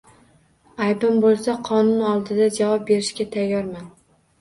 Aybim boʻlsa, qonun oldida javob berishga tayyorman.